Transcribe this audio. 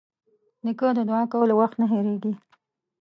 نیکه د دعا کولو وخت نه هېرېږي.